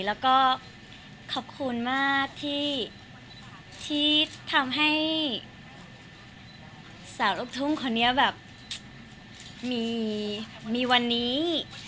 แล้วก็ขอบคุณมากที่ทำให้สาวลูกทุ่งคนนี้แบบมีวันนี้